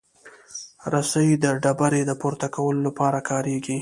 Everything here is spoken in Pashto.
رسۍ د ډبرې د پورته کولو لپاره کارېږي.